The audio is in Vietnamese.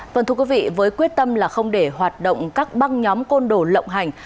vâng thưa quý vị với quyết tâm là không để hoạt động các băng nhóm côn đồ lộng hành